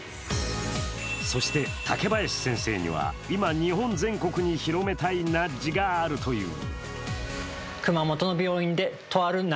そして、竹林先生には今、日本全国に広めたいナッジがあるという。